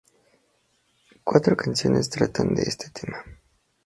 Cuatro canciones tratan de este tema.